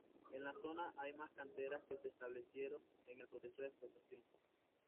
En la zona hay más canteras que se establecieron en el proceso de explotación.